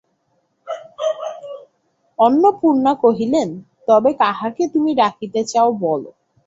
অন্নপূর্ণা কহিলেন, তবে কাহাকে তুমি ডাকিতে চাও বলো।